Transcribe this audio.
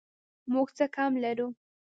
موږ څه کم لرو؟